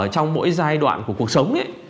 trong mỗi giai đoạn của cuộc sống